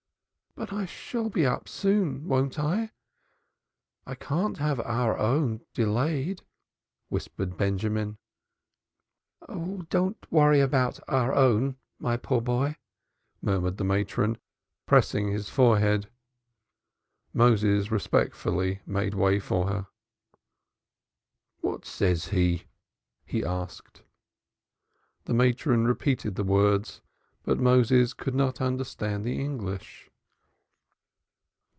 "But I shall be up soon, won't I? I can't have Our Own delayed," whispered Benjamin. "Don't worry about Our Own, my poor boy," murmured the matron, pressing his forehead. Moses respectfully made way for her. "What says he?" he asked. The matron repeated the words, but Moses could not understand the English.